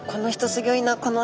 ギョいな